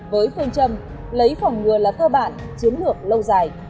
với phương châm lấy phòng ngừa là cơ bản chiến lược lâu dài